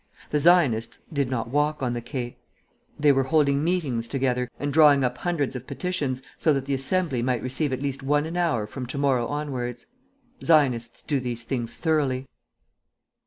The Zionists did not walk on the Quai. They were holding meetings together and drawing up hundreds of petitions, so that the Assembly might receive at least one an hour from to morrow onwards. Zionists do these things thoroughly.